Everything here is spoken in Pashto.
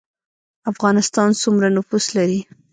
افغانستان سومره نفوس لري